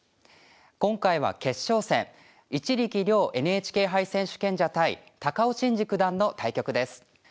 今回は決勝戦一力遼ＮＨＫ杯選手権者対高尾紳路九段の対局です。